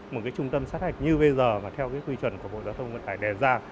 một trung tâm sát hạch như bây giờ và theo quy chuẩn của bộ giao thông vận tải đề ra